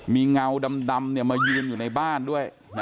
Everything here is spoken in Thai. มีเงาดำมายืนอยู่ในบ้านด้วย